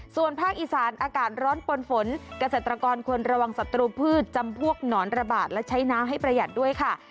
ส่วนภาคอีสานอากาศร้อนปนฝนเกษตรกรควรระวังศัตรูพืชจำพวกหนอนระบาดและใช้น้ำให้ประหยัดด้วยค่ะ